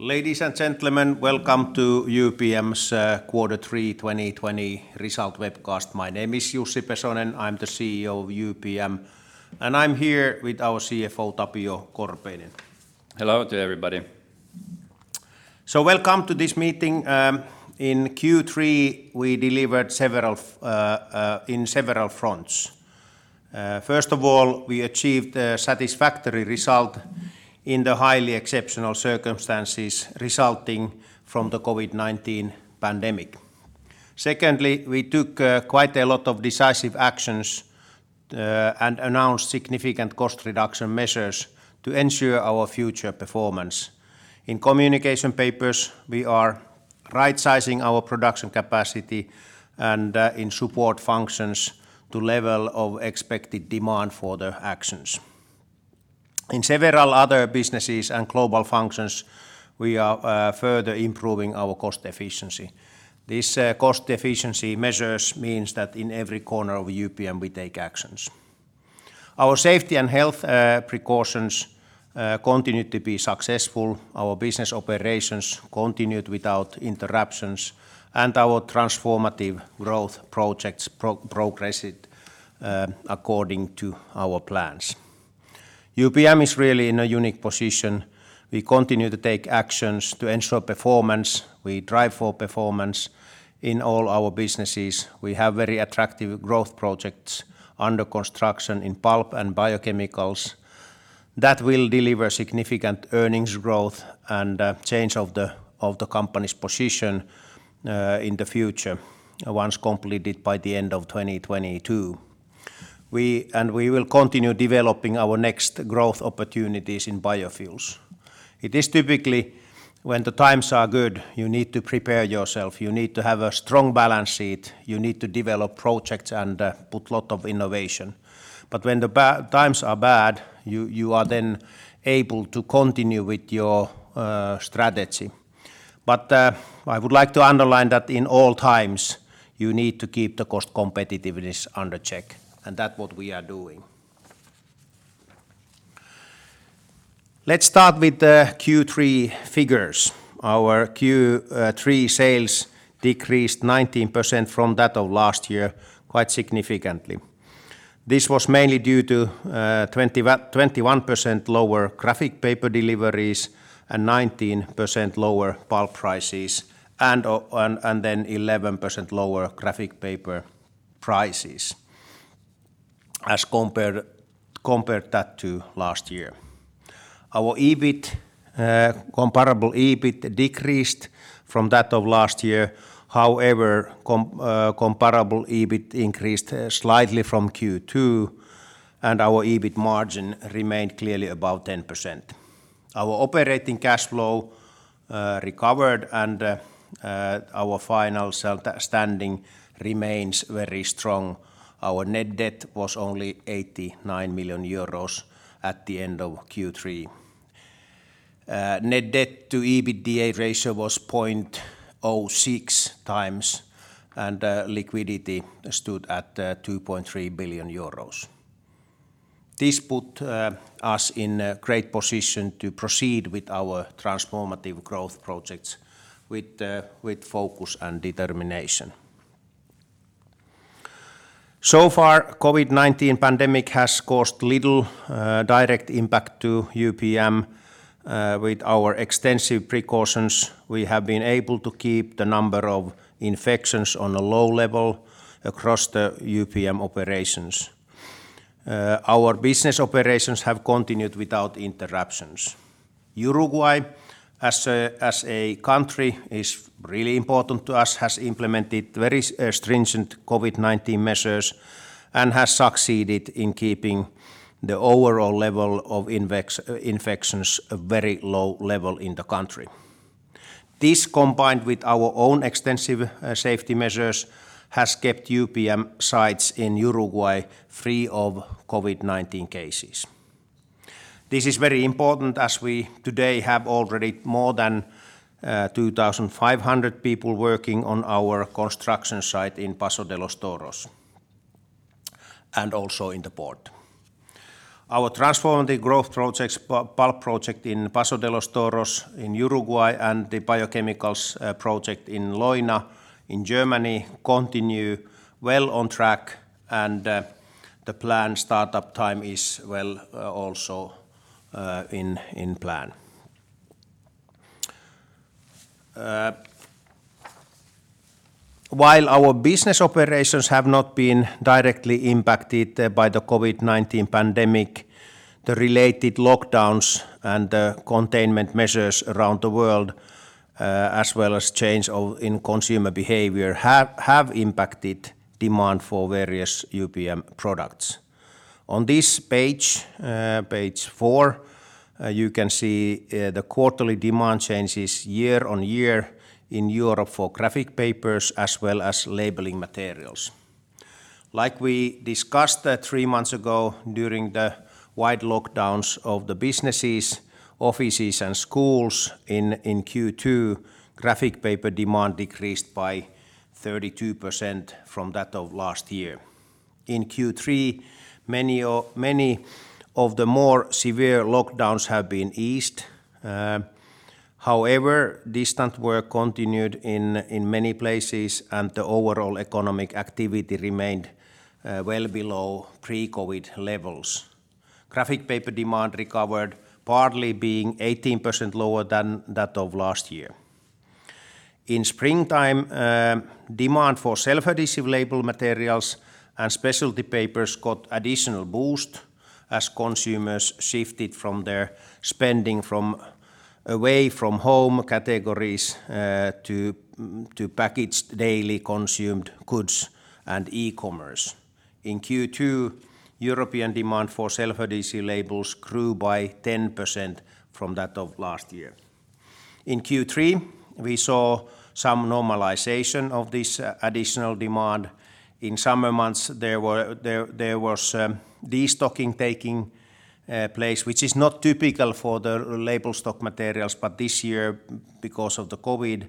Ladies and gentlemen, welcome to UPM's Quarter Three 2020 result webcast. My name is Jussi Pesonen, I'm the CEO of UPM. I'm here with our CFO, Tapio Korpeinen. Hello to everybody. Welcome to this meeting. In Q3, we delivered in several fronts. First of all, we achieved a satisfactory result in the highly exceptional circumstances resulting from the COVID-19 pandemic. Secondly, we took quite a lot of decisive actions, and announced significant cost reduction measures to ensure our future performance. In communication papers, we are right-sizing our production capacity and in support functions to level of expected demand for the actions. In several other businesses and global functions, we are further improving our cost efficiency. These cost efficiency measures means that in every corner of UPM, we take actions. Our safety and health precautions continued to be successful. Our business operations continued without interruptions, and our transformative growth projects progressed according to our plans. UPM is really in a unique position. We continue to take actions to ensure performance. We drive for performance in all our businesses. We have very attractive growth projects under construction in pulp and biochemicals that will deliver significant earnings growth and change of the company's position in the future once completed by the end of 2022. We will continue developing our next growth opportunities in biofuels. It is typically when the times are good you need to prepare yourself. You need to have a strong balance sheet. You need to develop projects and put lot of innovation. When the times are bad, you are then able to continue with your strategy. I would like to underline that in all times you need to keep the cost competitiveness under check, and that's what we are doing. Let's start with the Q3 figures. Our Q3 sales decreased 19% from that of last year, quite significantly. This was mainly due to a 21% lower graphic paper deliveries, a 19% lower pulp prices, and then 11% lower graphic paper prices compared to last year. Our comparable EBIT decreased from that of last year. However, comparable EBIT increased slightly from Q2, and our EBIT margin remained clearly above 10%. Our operating cash flow recovered, and our final standing remains very strong. Our net debt was only 89 million euros at the end of Q3. Net debt to EBITDA ratio was 0.0x, and liquidity stood at 2.3 billion euros. This put us in a great position to proceed with our transformative growth projects with focus and determination. So far, COVID-19 pandemic has caused little direct impact to UPM. With our extensive precautions, we have been able to keep the number of infections on a low level across the UPM operations. Our business operations have continued without interruptions. Uruguay, as a country, is really important to us, has implemented very stringent COVID-19 measures, and has succeeded in keeping the overall level of infections a very low level in the country. This, combined with our own extensive safety measures, has kept UPM sites in Uruguay free of COVID-19 cases. This is very important as we today have already more than 2,500 people working on our construction site in Paso de los Toros, and also in the port. Our transformative growth pulp project in Paso de los Toros in Uruguay and the biochemicals project in Leuna in Germany continue well on track, and the planned start-up time is well also in plan. While our business operations have not been directly impacted by the COVID-19 pandemic, the related lockdowns and containment measures around the world, as well as change in consumer behavior, have impacted demand for various UPM products. On this page four, you can see the quarterly demand changes year-on-year in Europe for graphic papers as well as labeling materials. Like we discussed three months ago during the wide lockdowns of the businesses, offices, and schools in Q2, graphic paper demand decreased by 32% from that of last year. In Q3, many of the more severe lockdowns have been eased. However, distant work continued in many places, and the overall economic activity remained well below pre-COVID levels. Graphic paper demand recovered, partly being 18% lower than that of last year. In springtime, demand for self-adhesive label materials and specialty papers got additional boost as consumers shifted their spending from away from home categories to packaged daily consumed goods and e-commerce. In Q2, European demand for self-adhesive labels grew by 10% from that of last year. In Q3, we saw some normalization of this additional demand. In summer months, there was de-stocking taking place, which is not typical for the label stock materials. This year, because of the COVID,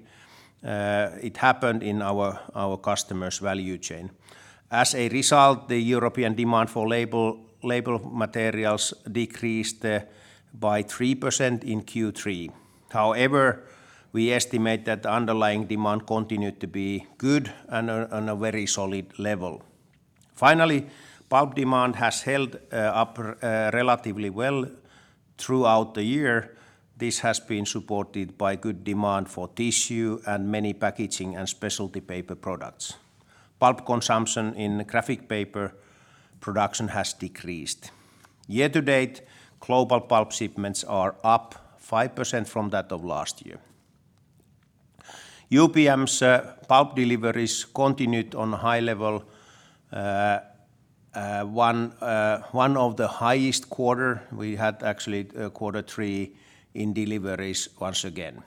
it happened in our customers' value chain. As a result, the European demand for label materials decreased by 3% in Q3. However, we estimate that underlying demand continued to be good and on a very solid level. Finally, pulp demand has held up relatively well throughout the year. This has been supported by good demand for tissue and many packaging and specialty paper products. Pulp consumption in graphic paper production has decreased. Year-to-date, global pulp shipments are up 5% from that of last year. UPM's pulp deliveries continued on high level, one of the highest quarter. We had actually a quarter three in deliveries once again.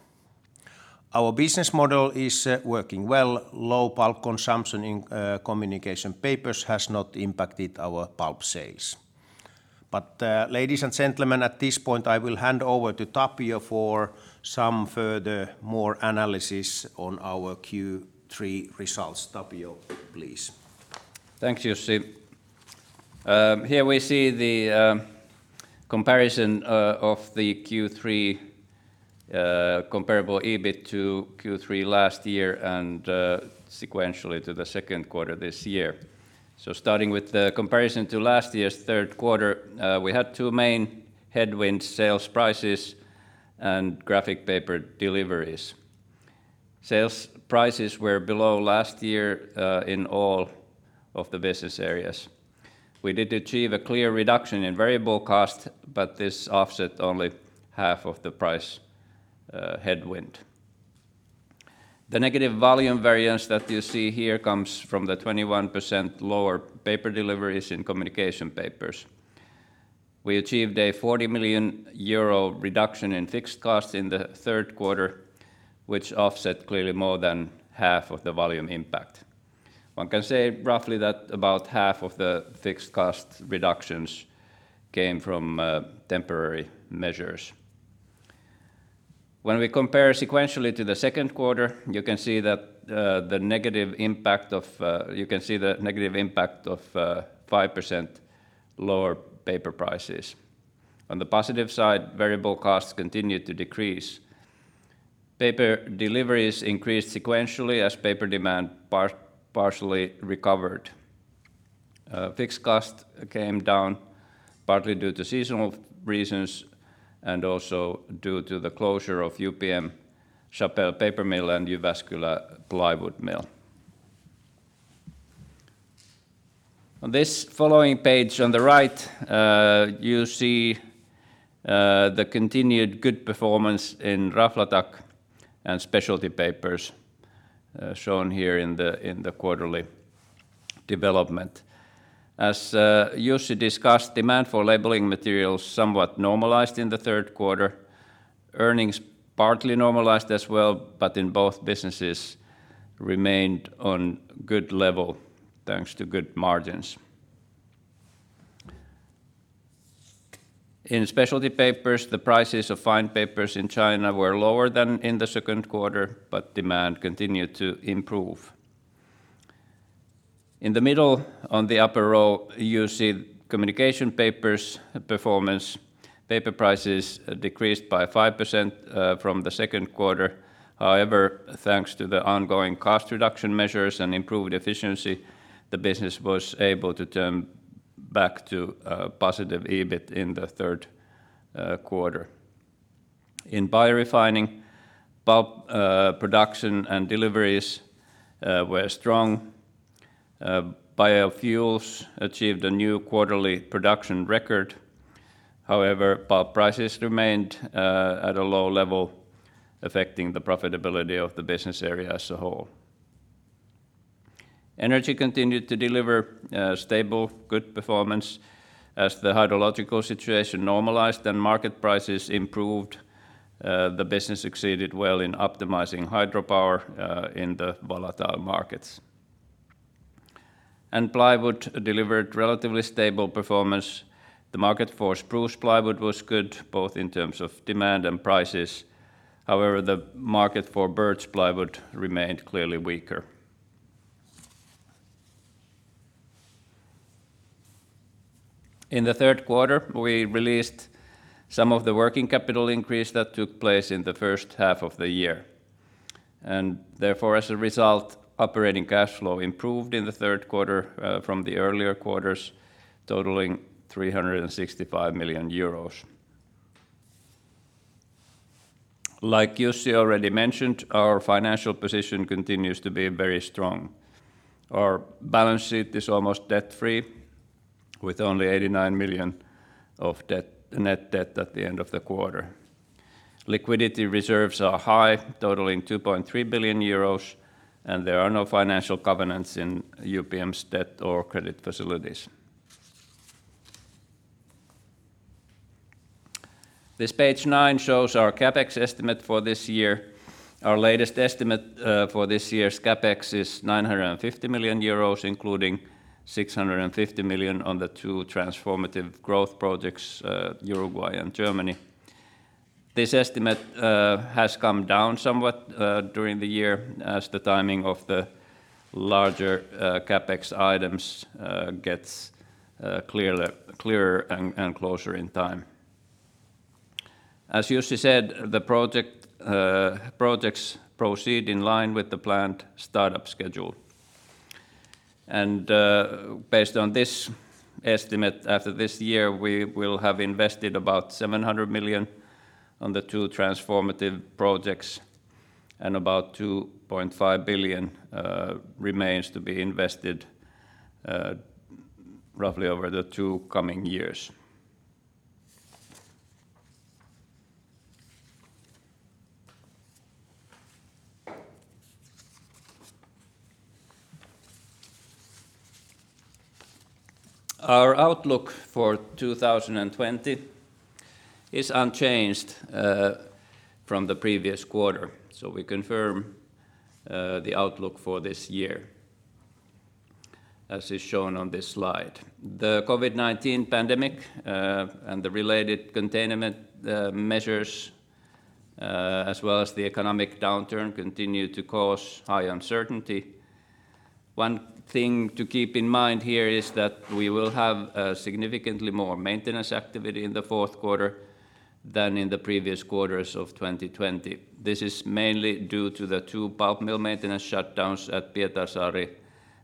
Our business model is working well. Low pulp consumption in communication papers has not impacted our pulp sales. Ladies and gentlemen, at this point, I will hand over to Tapio for some further analysis on our Q3 results. Tapio, please. Thanks, Jussi. Here we see the comparison of the Q3 comparable EBIT to Q3 last year and sequentially to the second quarter this year. Starting with the comparison to last year's third quarter, we had two main headwind sales prices and graphic paper deliveries. Sales prices were below last year in all of the business areas. We did achieve a clear reduction in variable cost, but this offset only half of the price headwind. The negative volume variance that you see here comes from the 21% lower paper deliveries in communication papers. We achieved a 40 million euro reduction in fixed costs in the third quarter, which offset clearly more than half of the volume impact. One can say roughly that about half of the fixed cost reductions came from temporary measures. When we compare sequentially to the second quarter, you can see the negative impact of 5% lower paper prices. On the positive side, variable costs continued to decrease. Paper deliveries increased sequentially as paper demand partially recovered. Fixed cost came down partly due to seasonal reasons and also due to the closure of UPM Chapelle paper mill and Jyväskylä plywood mill. On this following page on the right, you see the continued good performance in Raflatac and Specialty Papers shown here in the quarterly development. As Jussi discussed, demand for labeling materials somewhat normalized in the third quarter. Earnings partly normalized as well. In both businesses remained on good level, thanks to good margins. In Specialty Papers, the prices of fine papers in China were lower than in the second quarter, but demand continued to improve. In the middle, on the upper row, you see communication papers performance. Paper prices decreased by 5% from the second quarter. However, thanks to the ongoing cost reduction measures and improved efficiency, the business was able to turn back to a positive EBIT in the third quarter. In biorefining, pulp production and deliveries were strong. Biofuels achieved a new quarterly production record. However, pulp prices remained at a low level, affecting the profitability of the business area as a whole. Energy continued to deliver stable, good performance as the hydrological situation normalized and market prices improved. The business succeeded well in optimizing hydropower in the volatile markets. Plywood delivered relatively stable performance. The market for spruce plywood was good, both in terms of demand and prices. However, the market for birch plywood remained clearly weaker. In the third quarter, we released some of the working capital increase that took place in the first half of the year. Therefore, as a result, operating cash flow improved in the third quarter from the earlier quarters, totaling EUR 365 million. Like Jussi already mentioned, our financial position continues to be very strong. Our balance sheet is almost debt-free, with only 89 million of net debt at the end of the quarter. Liquidity reserves are high, totaling 2.3 billion euros, and there are no financial covenants in UPM's debt or credit facilities. This page nine shows our CapEx estimate for this year. Our latest estimate for this year's CapEx is 950 million euros, including 650 million on the two transformative growth projects, Uruguay and Germany. This estimate has come down somewhat during the year as the timing of the larger CapEx items gets clearer and closer in time. As Jussi said, the projects proceed in line with the planned startup schedule. Based on this estimate, after this year, we will have invested about 700 million on the two transformative projects, and about 2.5 billion remains to be invested roughly over the two coming years. Our outlook for 2020 is unchanged from the previous quarter. We confirm the outlook for this year, as is shown on this slide. The COVID-19 pandemic and the related containment measures, as well as the economic downturn, continue to cause high uncertainty. One thing to keep in mind here is that we will have significantly more maintenance activity in the fourth quarter than in the previous quarters of 2020. This is mainly due to the two pulp mill maintenance shutdowns at Pietarsaari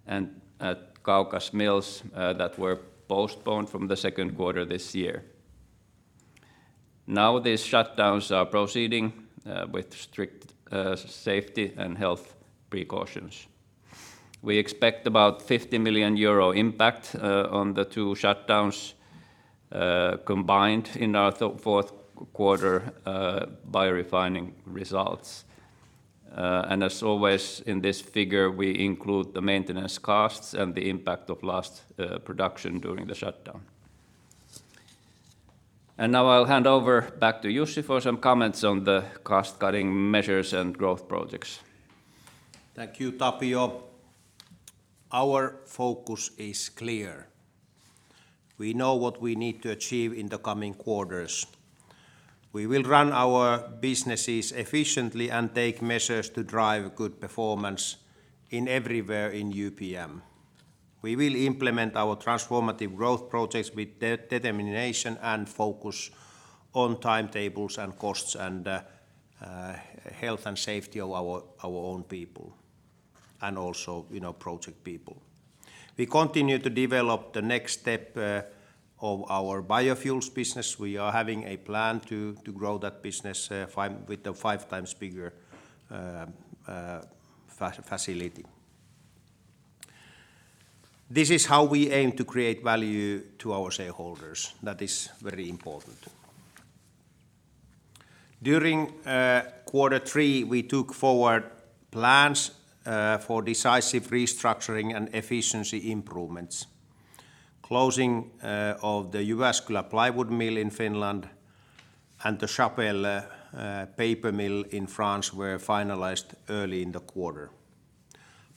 and at Kaukas mills that were postponed from the second quarter this year. These shutdowns are proceeding with strict safety and health precautions. We expect about 50 million euro impact on the two shutdowns combined in our fourth quarter biorefining results. As always, in this figure, we include the maintenance costs and the impact of lost production during the shutdown. Now I'll hand over back to Jussi for some comments on the cost-cutting measures and growth projects. Thank you, Tapio. Our focus is clear. We know what we need to achieve in the coming quarters. We will run our businesses efficiently and take measures to drive good performance in everywhere in UPM. We will implement our transformative growth projects with determination and focus on timetables and costs and health and safety of our own people. Also project people. We continue to develop the next step of our biofuels business. We are having a plan to grow that business with a five times bigger facility. This is how we aim to create value to our shareholders. That is very important. During quarter three, we took forward plans for decisive restructuring and efficiency improvements. Closing of the Jyväskylä plywood mill in Finland and the Chapelle paper mill in France were finalized early in the quarter.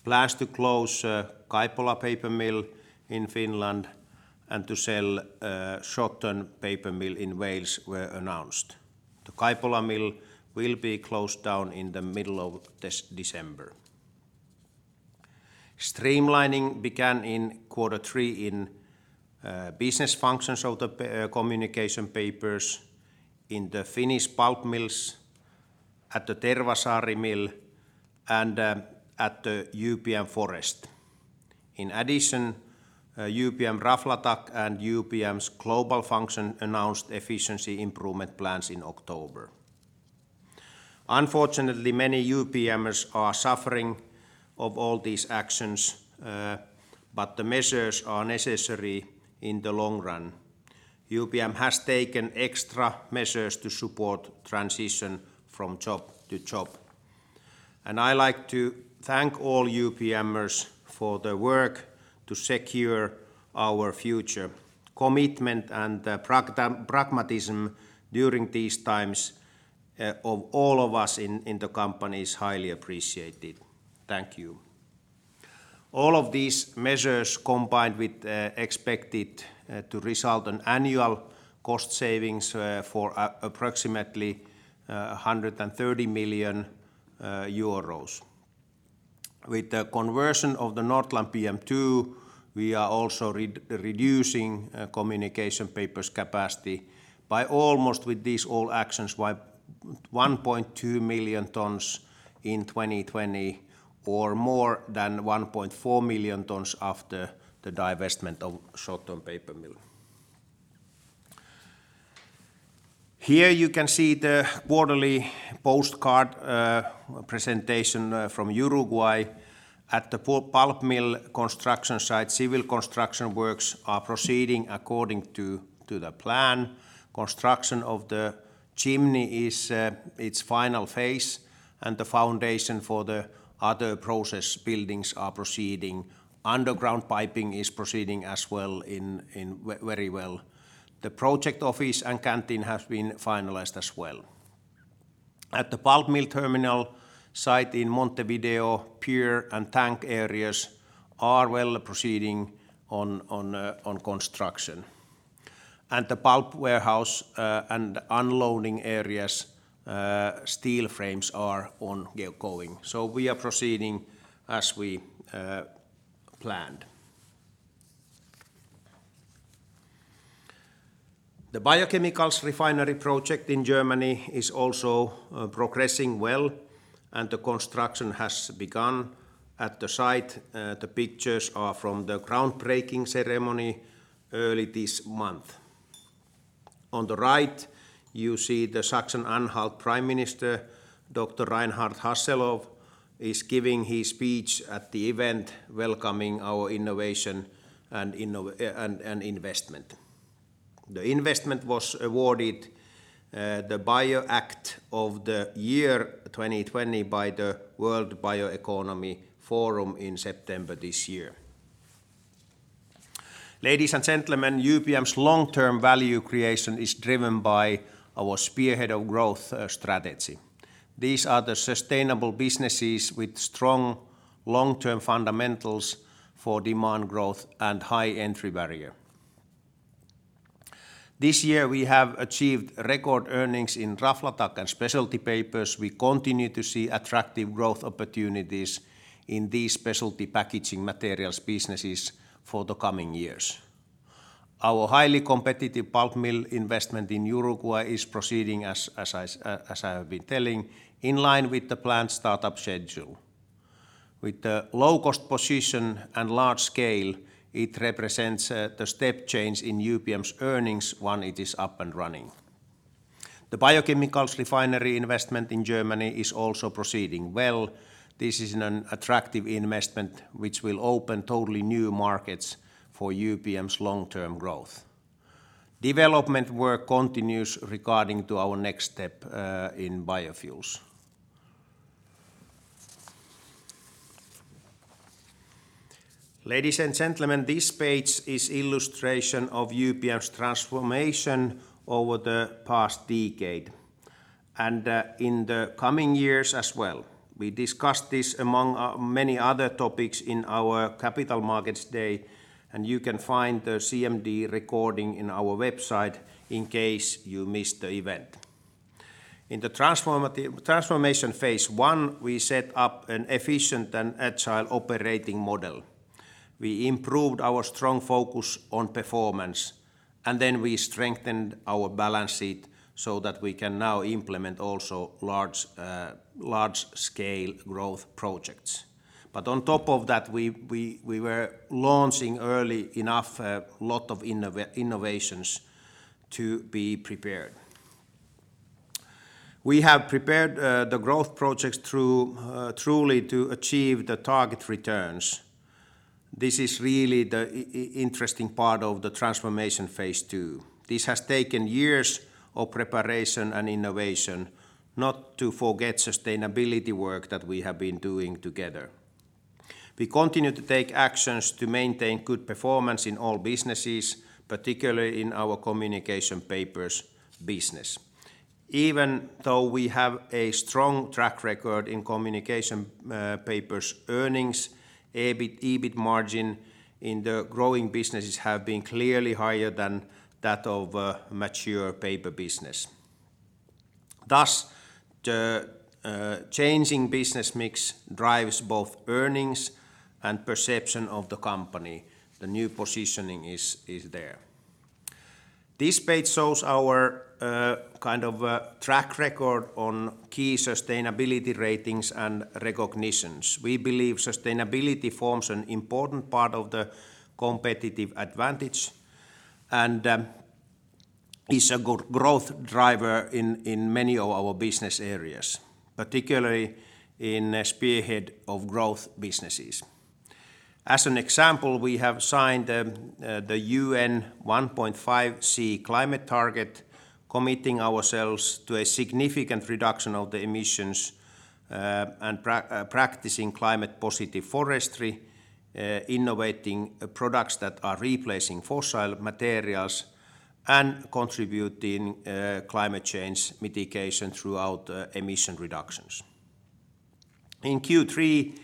Plans to close Kaipola paper mill in Finland and to sell Shotton paper mill in Wales were announced. The Kaipola mill will be closed down in the middle of December. Streamlining began in quarter three in business functions of the communication papers in the Finnish pulp mills, at the Tervasaari mill, and at the UPM Forest. In addition, UPM Raflatac and UPM's global function announced efficiency improvement plans in October. Unfortunately, many UPMers are suffering of all these actions, but the measures are necessary in the long run. UPM has taken extra measures to support transition from job to job. I like to thank all UPMers for the work to secure our future commitment and pragmatism during these times. Of all of us in the company is highly appreciated. Thank you. All of these measures combined are expected to result in annual cost savings for approximately EUR 130 million. With the conversion of the Nordland PM2, we are also reducing communication papers capacity by almost, with these actions, by 1.2 million tons in 2020 or more than 1.4 million tons after the divestment of Shotton paper mill. Here you can see the quarterly postcard presentation from Uruguay. At the pulp mill construction site, civil construction works are proceeding according to the plan. Construction of the chimney is its final phase, the foundation for the other process buildings are proceeding. Underground piping is proceeding as well very well. The project office and canteen have been finalized as well. At the pulp mill terminal site in Montevideo, pier and tank areas are well proceeding on construction. The pulp warehouse and unloading areas steel frames are going. We are proceeding as we planned. The biochemicals refinery project in Germany is also progressing well, and the construction has begun at the site. The pictures are from the groundbreaking ceremony early this month. On the right, you see the Saxony-Anhalt Prime Minister, Dr. Reiner Haseloff, is giving his speech at the event, welcoming our innovation and investment. The investment was awarded the BioAct of the Year 2020 by the World BioEconomy Forum in September this year. Ladies and gentlemen, UPM's long-term value creation is driven by our spearheads for growth strategy. These are the sustainable businesses with strong long-term fundamentals for demand growth and high entry barrier. This year we have achieved record earnings in Raflatac and Specialty Papers. We continue to see attractive growth opportunities in these specialty packaging materials businesses for the coming years. Our highly competitive pulp mill investment in Uruguay is proceeding, as I have been telling, in line with the planned startup schedule. With the low-cost position and large scale, it represents the step change in UPM's earnings once it is up and running. The biochemicals refinery investment in Germany is also proceeding well. This is an attractive investment that will open totally new markets for UPM's long-term growth. Development work continues regarding our next step in biofuels. Ladies and gentlemen, this page is an illustration of UPM's transformation over the past decade and in the coming years as well. We discussed this among many other topics in our Capital Markets Day, and you can find the CMD recording on our website in case you missed the event. In the transformation phase 1, we set up an efficient and agile operating model. We improved our strong focus on performance, and then we strengthened our balance sheet so that we can now implement also large-scale growth projects. On top of that, we were launching early enough a lot of innovations to be prepared. We have prepared the growth projects truly to achieve the target returns. This is really the interesting part of the transformation phase two. This has taken years of preparation and innovation, not to forget sustainability work that we have been doing together. We continue to take actions to maintain good performance in all businesses, particularly in our communication papers business. Even though we have a strong track record in communication papers earnings, EBIT margin in the growing businesses have been clearly higher than that of mature paper business. Thus, the changing business mix drives both earnings and perception of the company. The new positioning is there. This page shows our track record on key sustainability ratings and recognitions. We believe sustainability forms an important part of the competitive advantage and is a growth driver in many of our business areas, particularly in spearheads for growth businesses. As an example, we have signed the UN 1.5C° climate target, committing ourselves to a significant reduction of the emissions, and practicing climate positive forestry, innovating products that are replacing fossil materials, and contributing climate change mitigation throughout emission reductions. In Q3,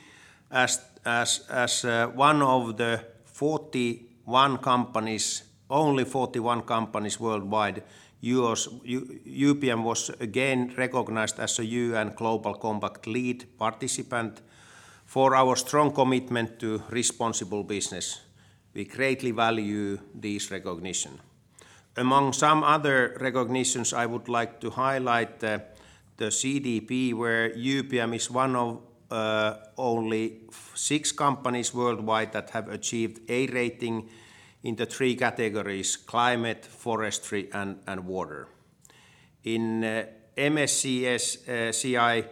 as one of the 41 companies, only 41 companies worldwide, UPM was again recognized as a UN Global Compact LEAD participant for our strong commitment to responsible business. We greatly value this recognition. Among some other recognitions, I would like to highlight the CDP, where UPM is one of only six companies worldwide that have achieved A rating in the three categories: Climate, Forestry, and Water. In MSCI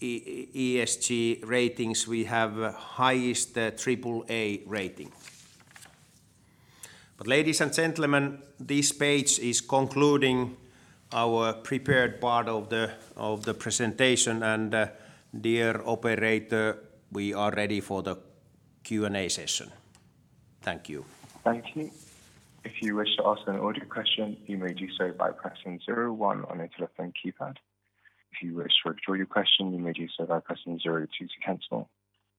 ESG Ratings, we have highest AAA rating. Ladies and gentlemen, this page is concluding our prepared part of the presentation, and dear operator, we are ready for the Q&A session. Thank you. Thank you. If you wish to ask a question, you may do so by pressing zero one on your telephone keypad. If you wish to withdraw your question, you may do so by pressing zero two to cancel.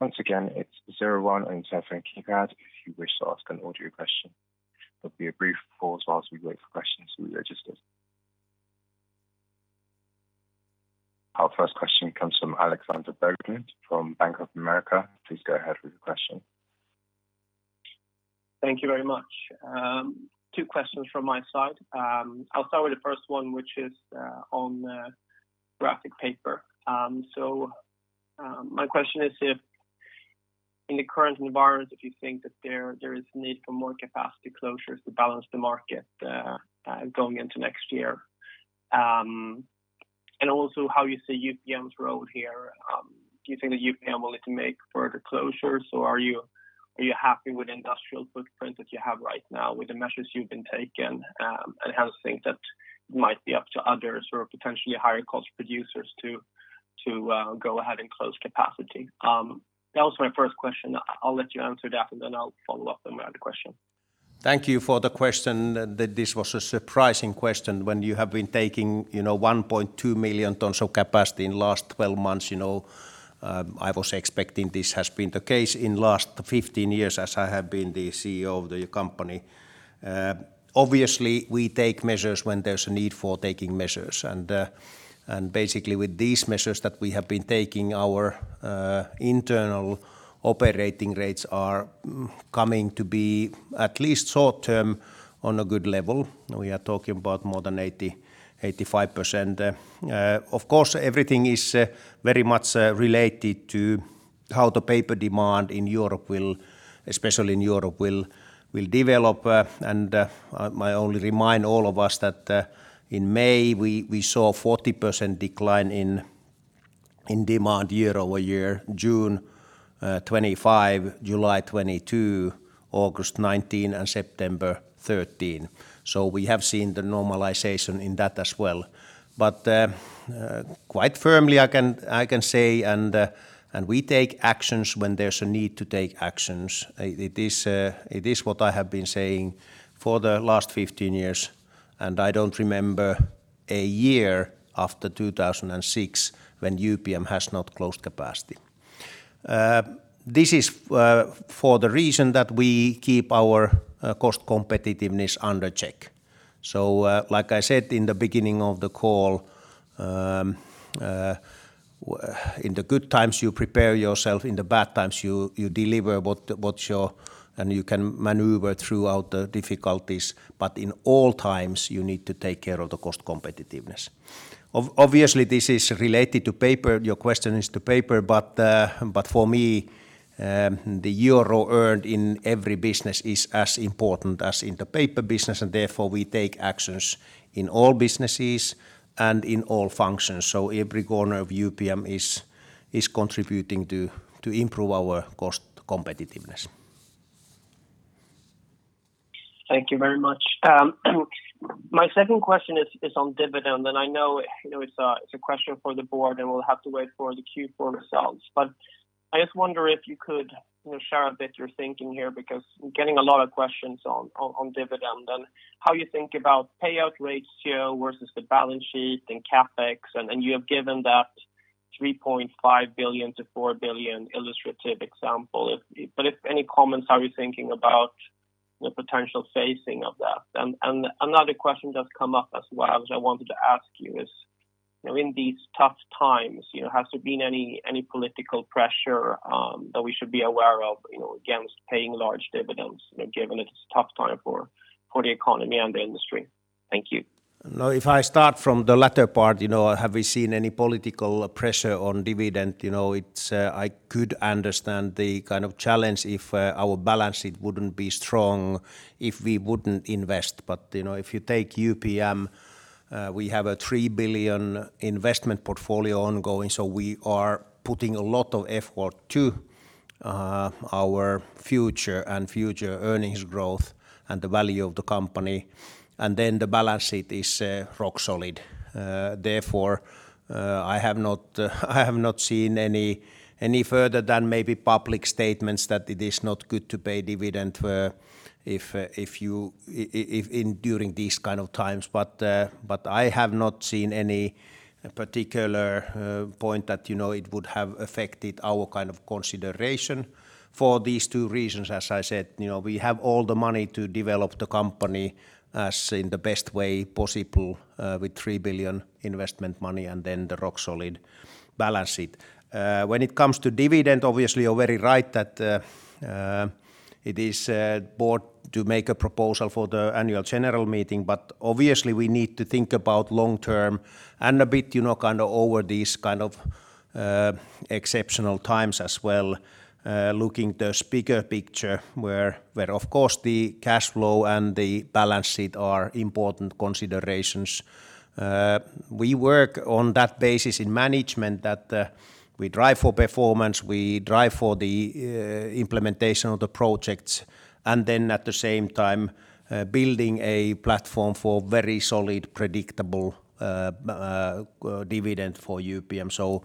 Once again, it's zero one on your telephone keypad if you wish to ask a question. There will be a brief pause as we wait for questions. Our first question comes from Alexander Berglund from Bank of America. Please go ahead with your question. Thank you very much. Two questions from my side. I'll start with the first one, which is on graphic paper. My question is if in the current environment, if you think that there is need for more capacity closures to balance the market going into next year. Also how you see UPM's role here. Do you think that UPM will need to make further closures, or are you happy with industrial footprint that you have right now with the measures you've been taking? How things that might be up to others or potentially higher cost producers to go ahead and close capacity? That was my first question. I'll let you answer that. Then I'll follow up with my other question. Thank you for the question. This was a surprising question when you have been taking 1.2 million tons of capacity in last 12 months. I was expecting this has been the case in last 15 years as I have been the CEO of the company. Obviously, we take measures when there's a need for taking measures. Basically with these measures that we have been taking, our internal operating rates are coming to be at least short term on a good level. We are talking about more than 85%. Of course, everything is very much related to how the paper demand, especially in Europe, will develop. I only remind all of us that in May, we saw 40% decline in demand year-over-year, June 25%, July 22%, August 19%, and September 13%. We have seen the normalization in that as well. Quite firmly I can say, and we take actions when there's a need to take actions. It is what I have been saying for the last 15 years, and I don't remember a year after 2006 when UPM has not closed capacity. This is for the reason that we keep our cost competitiveness under check. Like I said in the beginning of the call, in the good times, you prepare yourself, in the bad times, you deliver and you can maneuver throughout the difficulties, but in all times you need to take care of the cost competitiveness. Obviously, this is related to paper. Your question is to paper, but for me the euro earned in every business is as important as in the paper business, and therefore we take actions in all businesses and in all functions. Every corner of UPM is contributing to improve our cost competitiveness. Thank you very much. My second question is on dividend. I know it's a question for the board, and we'll have to wait for the Q4 results. I just wonder if you could share a bit your thinking here, because I'm getting a lot of questions on dividend and how you think about payout ratio versus the balance sheet and CapEx. You have given that 3.5 billion-4 billion illustrative example. If any comments, how you're thinking about the potential phasing of that. Another question that's come up as well, which I wanted to ask you is, in these tough times, has there been any political pressure that we should be aware of against paying large dividends, given it's a tough time for the economy and the industry? Thank you. If I start from the latter part, have we seen any political pressure on dividend? I could understand the kind of challenge if our balance sheet wouldn't be strong, if we wouldn't invest. If you take UPM, we have a 3 billion investment portfolio ongoing, so we are putting a lot of effort to our future and future earnings growth and the value of the company. The balance sheet is rock solid. Therefore, I have not seen any further than maybe public statements that it is not good to pay dividend during these kind of times. I have not seen any particular point that it would have affected our consideration for these two reasons. As I said, we have all the money to develop the company as in the best way possible with 3 billion investment money and then the rock solid balance sheet. When it comes to dividend, obviously you're very right that it is Board to make a proposal for the annual general meeting, but obviously we need to think about long-term and a bit over these kind of exceptional times as well, looking the bigger picture where of course the cash flow and the balance sheet are important considerations. We work on that basis in management that we drive for performance, we drive for the implementation of the projects, and then at the same time, building a platform for very solid, predictable dividend for UPM.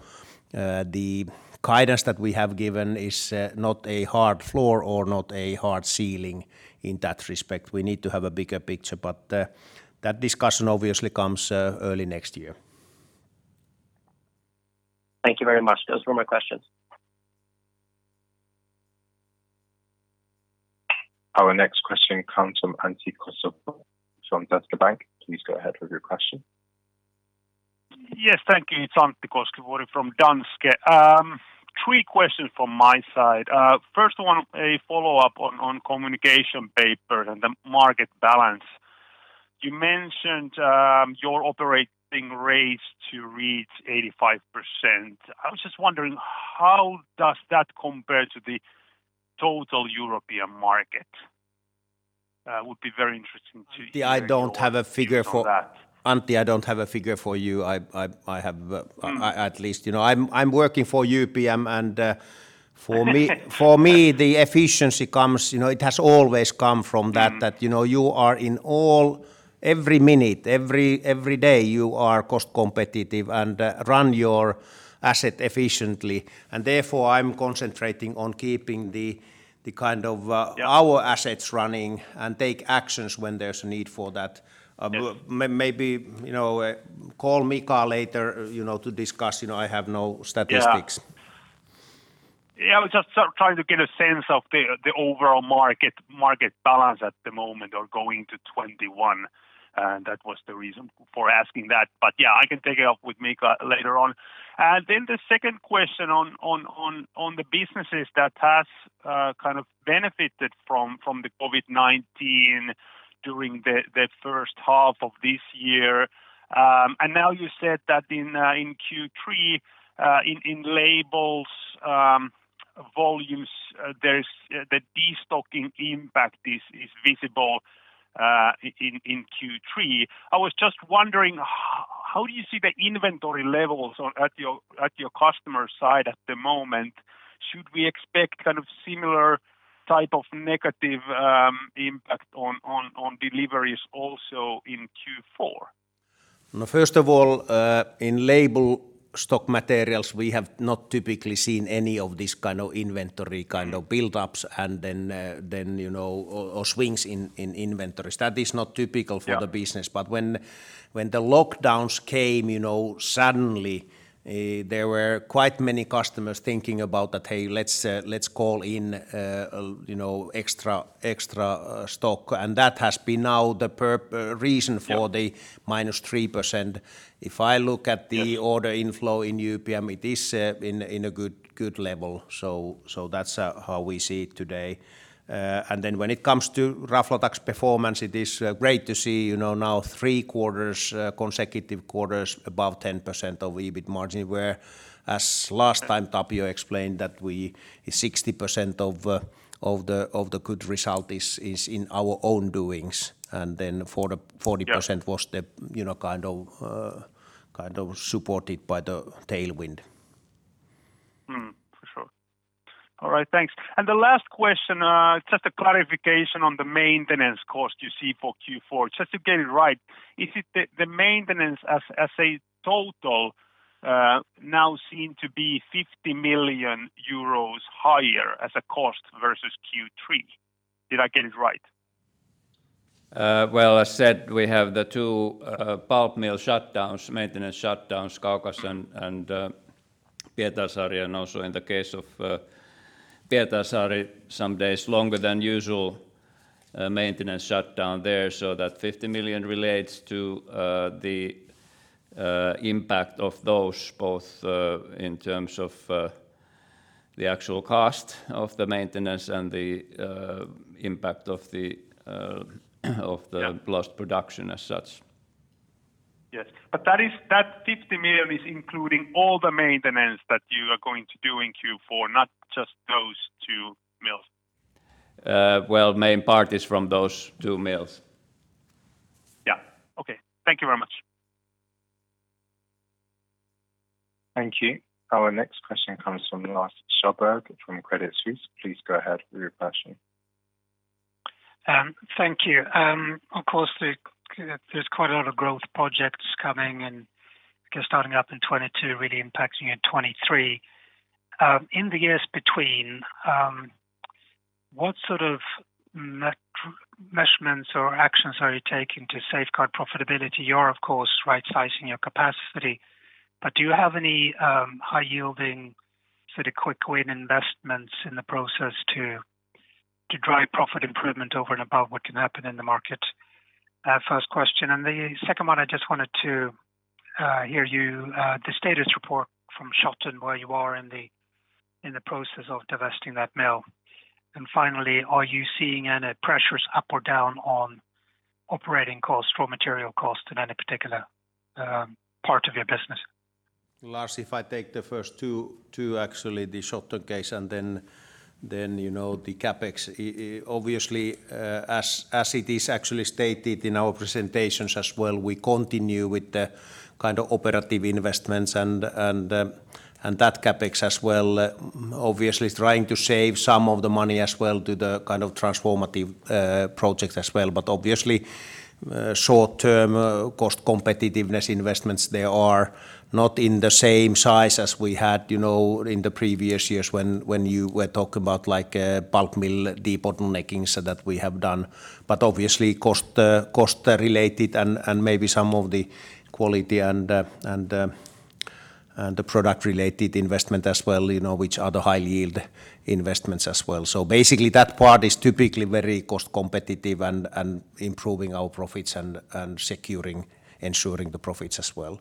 The guidance that we have given is not a hard floor or not a hard ceiling in that respect. We need to have a bigger picture, but that discussion obviously comes early next year. Thank you very much. Those were my questions. Our next question comes from Antti Koskivuori from Danske Bank. Please go ahead with your question. Yes. Thank you. It's Antti Koskivuori from Danske. Three questions from my side. First one, a follow-up on communication paper and the market balance. You mentioned your operating rates to reach 85%. I was just wondering, how does that compare to the total European market? Antti, I don't have a figure for that. Antti, I don't have a figure for you. I'm working for UPM. For me, the efficiency has always come from that. Every minute, every day, you are cost competitive and run your asset efficiently. Therefore, I'm concentrating on keeping our assets running and take actions when there's a need for that. Maybe call Mika later to discuss. I have no statistics. I was just trying to get a sense of the overall market balance at the moment or going to 2021, and that was the reason for asking that. I can take it up with Mika later on. The second question on the businesses that has benefited from the COVID-19 during the first half of this year. Now you said that in Q3, in labels volumes, the de-stocking impact is visible in Q3. I was just wondering, how do you see the inventory levels at your customer side at the moment? Should we expect similar type of negative impact on deliveries also in Q4? First of all, in label stock materials, we have not typically seen any of this kind of inventory buildups or swings in inventories. That is not typical for. Yeah. the business. When the lockdowns came suddenly, there were quite many customers thinking about that, "Hey, let's call in extra stock." That has been now the reason for the -3%. If I look at the order inflow in UPM, it is in a good level. That's how we see it today. When it comes to Raflatac's performance, it is great to see now three consecutive quarters above 10% of EBIT margin, where as last time Tapio explained that 60% of the good result is in our own doings, 40%- Yeah. was supported by the tailwind. For sure. All right. Thanks. The last question, just a clarification on the maintenance cost you see for Q4. Just to get it right, is it the maintenance as a total now seem to be 50 million euros higher as a cost versus Q3? Did I get it right? As said, we have the two pulp mill shutdowns, maintenance shutdowns, Kaukas and Pietarsaari, and also in the case of Pietarsaari, some days longer than usual maintenance shutdown there. That 50 million relates to the impact of those both in terms of the actual cost of the maintenance and the impact of the lost production as such. Yes. That 50 million is including all the maintenance that you are going to do in Q4, not just those two mills. Well, main part is from those two mills. Yeah. Okay. Thank you very much. Thank you. Our next question comes from Lars Kjellberg from Credit Suisse. Please go ahead with your question. Thank you. Of course, there's quite a lot of growth projects coming and starting up in 2022, really impacting in 2023. In the years between, what sort of measurements or actions are you taking to safeguard profitability? You are, of course, right-sizing your capacity, but do you have any high-yielding sort of quick win investments in the process to drive profit improvement over and above what can happen in the market? First question. The second one, I just wanted to hear the status report from Shotton, where you are in the process of divesting that mill. Finally, are you seeing any pressures up or down on operating costs, raw material costs in any particular part of your business? Lars, if I take the first two, actually, the Shotton case and then the CapEx. Obviously, as it is actually stated in our presentations as well, we continue with the kind of operative investments and that CapEx as well, obviously trying to save some of the money as well to the kind of transformative projects as well. Obviously, short-term cost competitiveness investments there are not in the same size as we had in the previous years when you were talking about pulp mill debottlenecking so that we have done, but obviously cost related and maybe some of the quality and the product related investment as well, which are the high-yield investments as well. Basically that part is typically very cost competitive and improving our profits and securing, ensuring the profits as well.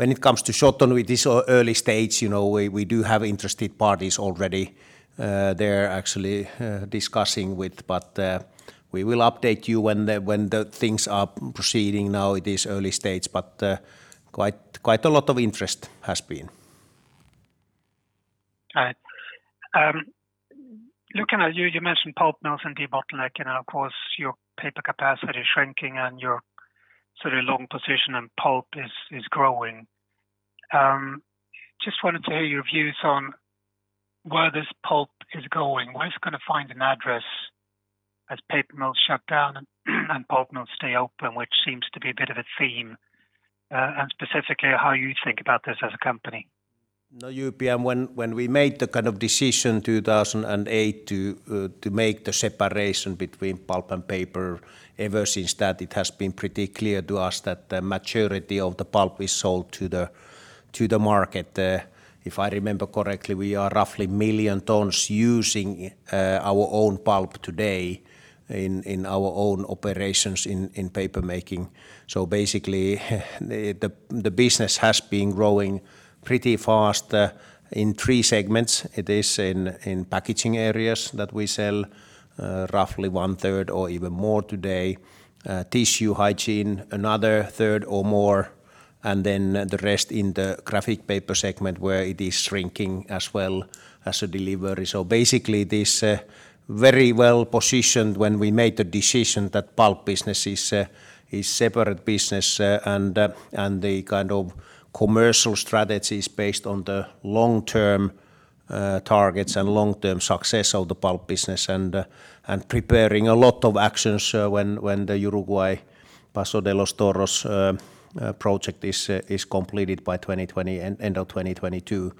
When it comes to Shotton, with this early stage, we do have interested parties already there actually discussing with. We will update you when the things are proceeding now at this early stage. Quite a lot of interest has been. Right. Looking at you mentioned pulp mills and debottlenecking, and of course your paper capacity shrinking and your sort of long position in pulp is growing. Just wanted to hear your views on where this pulp is going. Where is it going to find an address as paper mills shut down and pulp mills stay open, which seems to be a bit of a theme, and specifically how you think about this as a company. UPM, when we made the kind of decision 2008 to make the separation between pulp and paper, ever since that it has been pretty clear to us that the majority of the pulp is sold to the market. If I remember correctly, we are roughly million tons using our own pulp today in our own operations in paper making. Basically the business has been growing pretty fast in 3 segments. It is in packaging areas that we sell roughly 1/3 or even more today. Tissue hygiene, another 1/3 or more, the rest in the graphic paper segment, where it is shrinking as well as a delivery. Basically, this very well-positioned when we made the decision that pulp business is separate business, and the kind of commercial strategies based on the long-term targets and long-term success of the pulp business and preparing a lot of actions when the Uruguay, Paso de los Toros project is completed by end of 2022.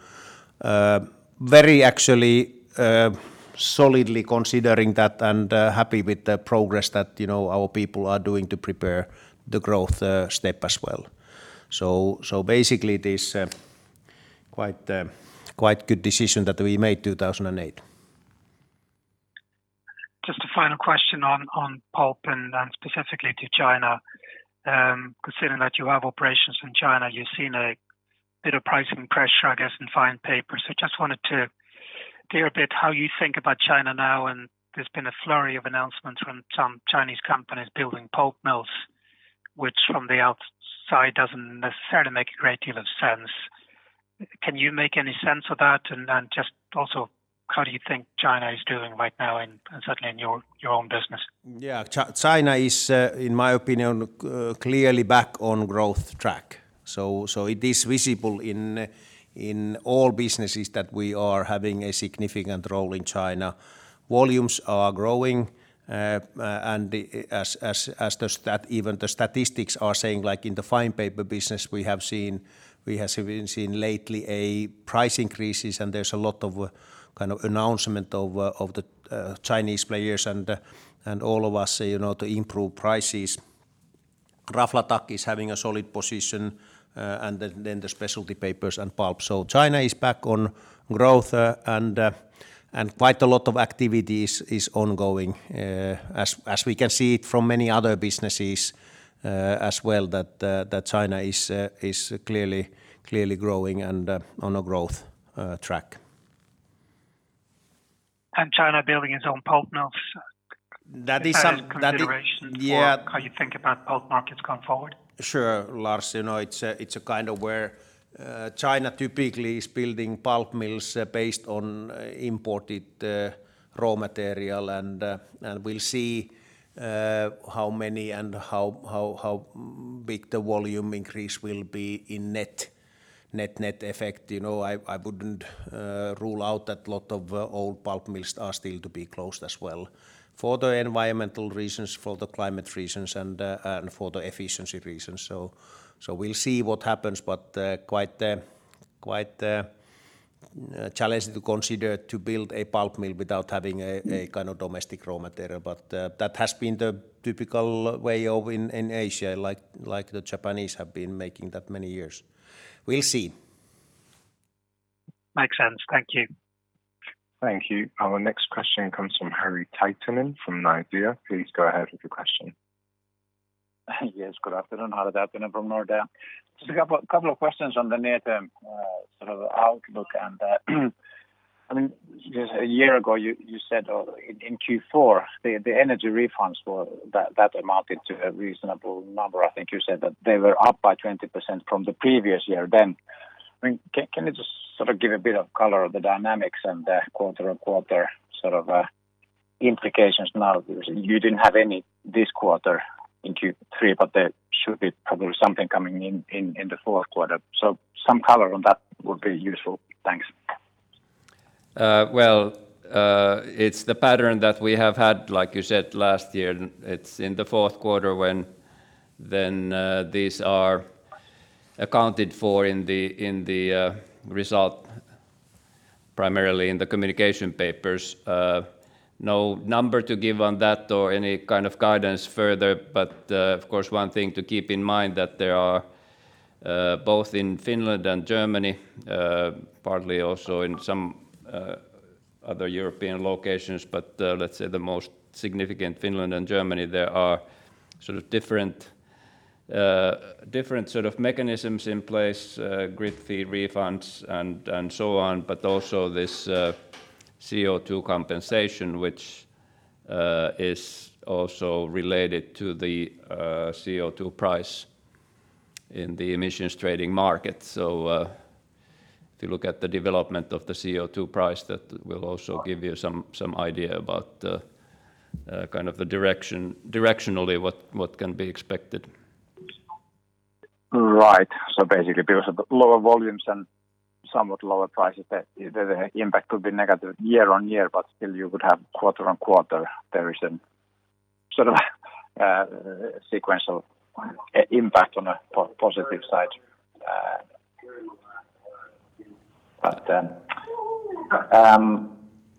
Very actually solidly considering that and happy with the progress that our people are doing to prepare the growth step as well. Basically, this quite good decision that we made 2008. Just a final question on pulp and specifically to China. Considering that you have operations in China, you've seen a bit of pricing pressure, I guess, in fine paper. Just wanted to hear a bit how you think about China now, and there's been a flurry of announcements from some Chinese companies building pulp mills, which from the outside doesn't necessarily make a great deal of sense. Can you make any sense of that, and just also how do you think China is doing right now and certainly in your own business? Yeah. China is, in my opinion, clearly back on growth track. It is visible in all businesses that we are having a significant role in China. Volumes are growing, and as even the statistics are saying, like in the fine paper business, we have seen lately a price increases, and there's a lot of kind of announcement of the Chinese players and all of us to improve prices. Raflatac is having a solid position, and then the Specialty Papers and pulp. China is back on growth, and quite a lot of activities is ongoing, as we can see it from many other businesses as well that China is clearly growing and on a growth track. China building its own pulp mills? That is. Is that in consideration- Yeah. For how you think about pulp markets going forward? Sure, Lars. It's where China typically is building pulp mills based on imported raw material, and we'll see how many and how big the volume increase will be in net effect. I wouldn't rule out that lot of old pulp mills are still to be closed as well for the environmental reasons, for the climate reasons, and for the efficiency reasons. We'll see what happens, but quite challenging to consider to build a pulp mill without having a domestic raw material. That has been the typical way in Asia, like the Japanese have been making that many years. We'll see. Makes sense. Thank you. Thank you. Our next question comes from Harri Taittonen from Nordea. Please go ahead with your question. Yes, good afternoon. Harri Taittonen from Nordea. Just a couple of questions on the near-term outlook. Just a year ago you said in Q4 the energy refunds, that amounted to a reasonable number. I think you said that they were up by 20% from the previous year then. Can you just give a bit of color of the dynamics and the quarter-on-quarter implications now because you didn't have any this quarter in Q3, but there should be probably something coming in the fourth quarter, so some color on that would be useful. Thanks. Well, it's the pattern that we have had, like you said, last year. It's in the fourth quarter when these are accounted for in the result, primarily in the communication papers. No number to give on that or any kind of guidance further, but of course, one thing to keep in mind that there are both in Finland and Germany, partly also in some other European locations, but let's say the most significant, Finland and Germany, there are different sort of mechanisms in place, grid fee refunds and so on, but also this CO2 compensation, which is also related to the CO2 price in the emissions trading market. If you look at the development of the CO2 price, that will also give you some idea about directionally what can be expected. Basically because of the lower volumes and somewhat lower prices, the impact could be negative year-on-year, still you would have quarter-on-quarter there is a sort of sequential impact on a positive side.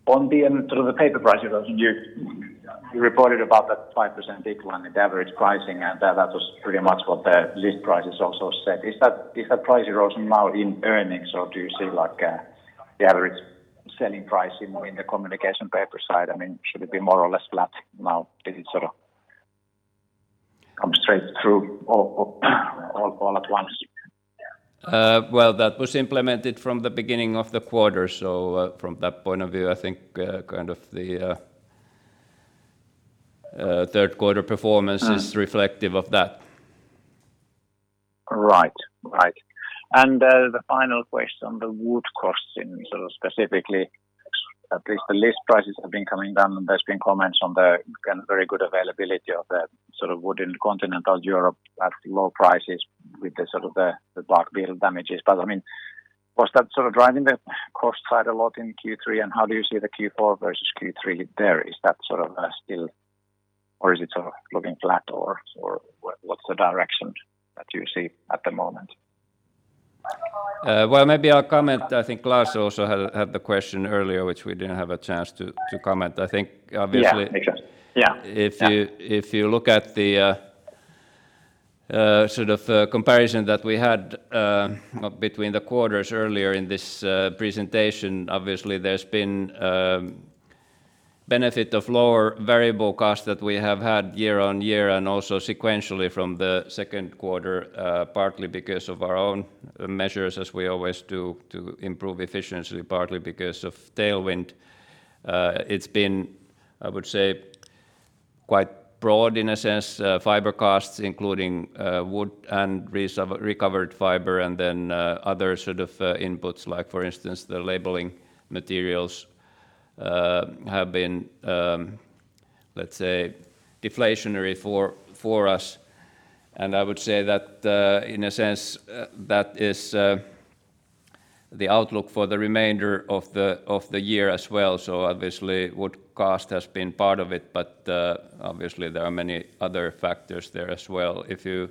On the end through the paper price erosion, you reported about that 5% decline in the average pricing, and that was pretty much what the list prices also said. Is that price erosion now in earnings, or do you see the average selling price in the communication paper side? Should it be more or less flat now? Did it sort of come straight through all at once? Well, that was implemented from the beginning of the quarter. From that point of view, I think the third quarter performance is reflective of that. Right. The final question, the wood costs in specifically, at least the list prices have been coming down, and there's been comments on the very good availability of the wood in continental Europe at low prices with the bark beetle damages. Was that driving the cost side a lot in Q3, and how do you see the Q4 versus Q3 there? Is that still or is it looking flat, or what's the direction that you see at the moment? Well, maybe I'll comment. I think Lars also had the question earlier, which we didn't have a chance to comment. I think obviously. Yeah. Makes sense. If you look at the comparison that we had between the quarters earlier in this presentation, obviously there's been benefit of lower variable cost that we have had year-on-year and also sequentially from the second quarter, partly because of our own measures as we always do to improve efficiency, partly because of tailwind. It's been, I would say, quite broad in a sense, fiber costs including wood and recovered fiber and then other sort of inputs like for instance the labeling materials have been, let's say, deflationary for us. I would say that in a sense, that is the outlook for the remainder of the year as well. Obviously wood cost has been part of it, but obviously there are many other factors there as well. If you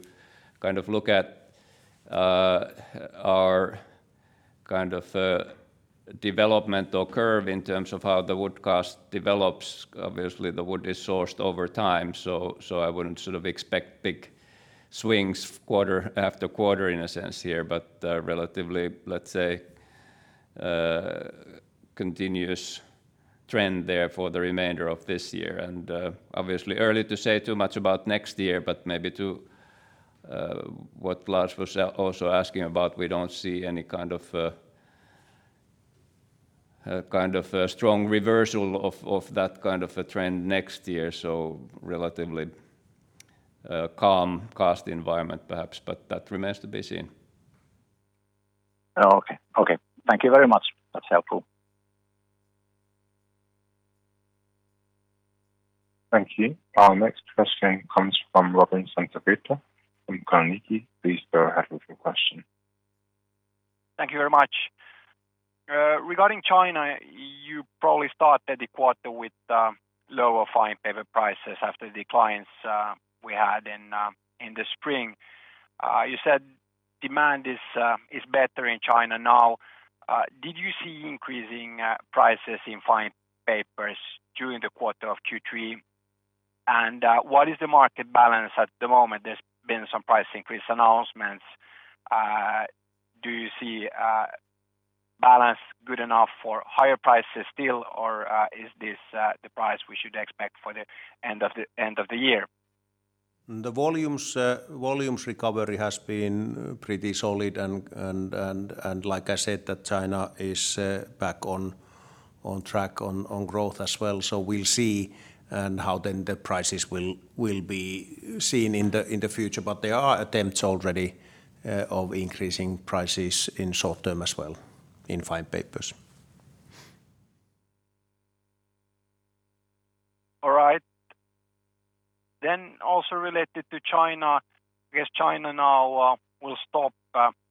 look at our development or curve in terms of how the wood cost develops, obviously the wood is sourced over time, so I wouldn't expect big swings quarter after quarter in a sense here, but relatively, let's say, continuous trend there for the remainder of this year. Obviously early to say too much about next year, but maybe to what Lars was also asking about, we don't see any kind of a strong reversal of that kind of a trend next year. Relatively calm cost environment perhaps, but that remains to be seen. Okay. Thank you very much. That's helpful. Thank you. Our next question comes from Robin Santavirta from Carnegie. Please go ahead with your question. Thank you very much. Regarding China, you probably started the quarter with lower fine paper prices after the declines we had in the spring. You said demand is better in China now. Did you see increasing prices in fine papers during the quarter of Q3? What is the market balance at the moment? There's been some price increase announcements. Do you see balance good enough for higher prices still, or is this the price we should expect for the end of the year? The volumes recovery has been pretty solid, and like I said, China is back on track on growth as well. We'll see how then the prices will be seen in the future. There are attempts already of increasing prices in short term as well in fine papers. All right. Also related to China, because China now will stop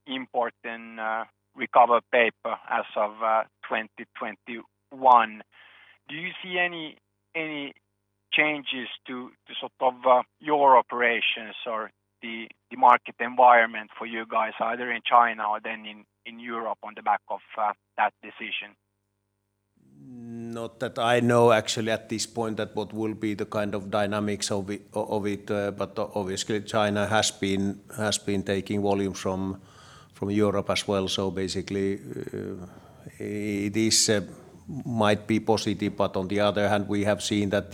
importing recovered paper as of 2021. Do you see any changes to your operations or the market environment for you guys, either in China or then in Europe on the back of that decision? Not that I know actually at this point what will be the kind of dynamics of it, but obviously China has been taking volume from Europe as well. Basically, this might be positive, but on the other hand, we have seen that